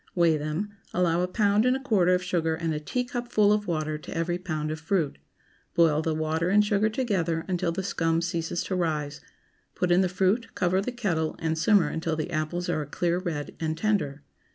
Weigh them; allow a pound and a quarter of sugar and a teacupful of water to every pound of fruit. Boil the water and sugar together until the scum ceases to rise; put in the fruit, cover the kettle, and simmer until the apples are a clear red, and tender.